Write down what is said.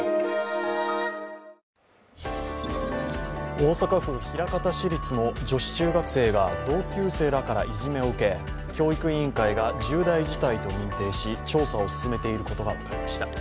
大阪府、枚方市立の女子中学生が同級生らからいじめを受け教育委員会が重大事態と認定し調査を進めていることが分かりました。